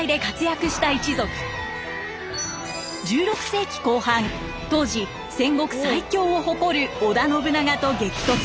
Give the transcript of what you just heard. １６世紀後半当時戦国最強を誇る織田信長と激突。